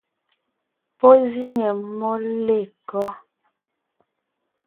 Pɔ́ zíŋe mmó lêkɔ́?